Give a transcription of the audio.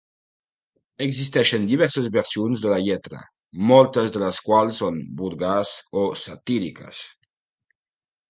Existeixen diverses versions de la lletra, moltes de les quals són vulgars o satíriques.